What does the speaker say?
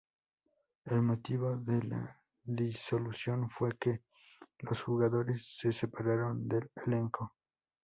El motivo de la disolución fue que los jugadores se separaron del elenco.